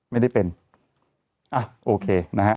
ไม่ได้เป็นอ้าวโอเค